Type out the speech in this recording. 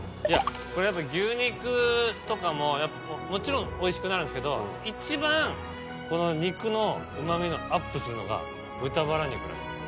これやっぱ牛肉とかももちろんおいしくなるんですけど一番肉の旨味のアップするのが豚バラ肉らしいんです。